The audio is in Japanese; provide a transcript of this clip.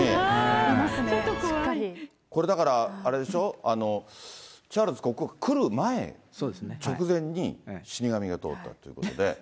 いますね、これ、だからあれでしょ、チャールズ国王が来る前、直前に、死神が通ったということで。